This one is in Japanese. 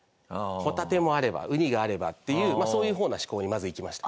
ホタテもあればウニがあればっていうそういう方な思考にまず行きました。